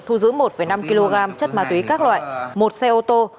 thu giữ một năm kg chất ma túy các loại một xe ô tô